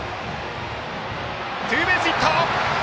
ツーベースヒット！